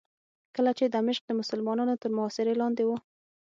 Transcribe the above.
کله چې دمشق د مسلمانانو تر محاصرې لاندې و.